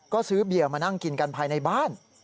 ก็ซื้อเบียร์มานั่งกินกันภายในบ้าน